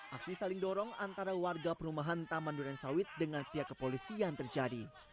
aksi saling dorong antara warga perumahan taman durensawit dengan pihak kepolisian terjadi